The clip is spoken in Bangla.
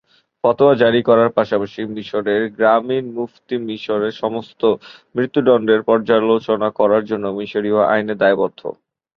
ফতোয়া জারি করার পাশাপাশি মিশরের গ্রামীণ মুফতী মিশরে সমস্ত মৃত্যুদণ্ডের পর্যালোচনা করার জন্য মিশরীয় আইনে দায়বদ্ধ।